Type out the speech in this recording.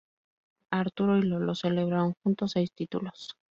Arturo y Lolo celebraron juntos seis títulos.